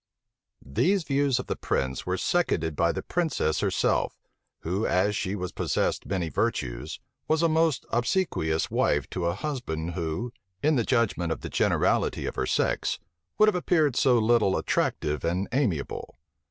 These views of the prince were seconded by the princess herself; who, as she possessed many virtues, was a most obsequious wife to a husband who, in the judgment of the generality of her sex, would have appeared so little attractive and amiable.